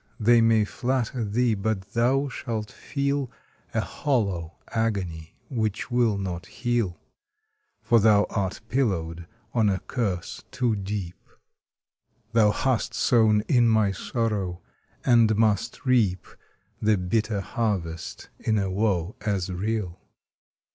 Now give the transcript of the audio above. they may flatter thee, but thou shall feel A hollow agony which will not heal, For thou art pillowed on a curse too deep; Thou hast sown in my sorrow, and must reap The bitter harvest in a woe as real!